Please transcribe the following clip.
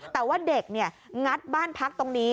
แต่ว่าเด็กงัดบ้านพักตรงนี้